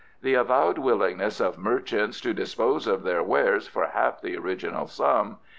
The avowed willingness of merchants to dispose of their wares for half the original sum.